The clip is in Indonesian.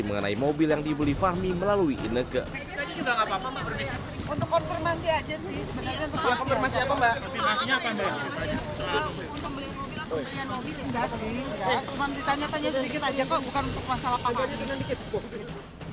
mengenai mobil yang dibeli fahmi melalui indah kekus herawati